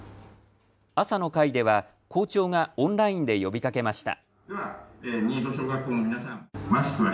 朝の会では校長がオンラインで呼びかけました。